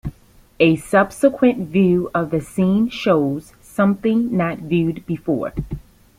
A subsequent view of the scene shows something not viewed before.